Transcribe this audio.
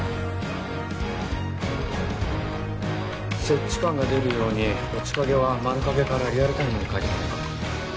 設置感が出るように落ち影は丸影からリアルタイムに変えてみないか？